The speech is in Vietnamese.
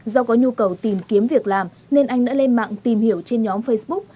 do có nhu cầu tìm kiếm việc làm nên anh đã lên mạng tìm hiểu trên nhóm facebook